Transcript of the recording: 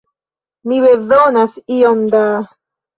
Mi bezonas iom da...